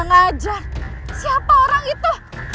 kurang ajar siapa orang itu